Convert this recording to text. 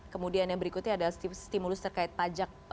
kemudian yang berikutnya adalah stimulus terkait pajak